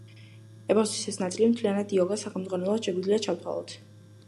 ეპოსის ეს ნაწილი მთლიანად იოგას სახელმძღვანელოდ შეგვიძლია ჩავთვალოთ.